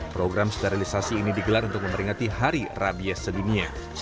program sterilisasi ini digelar untuk memperingati hari rabies sedunia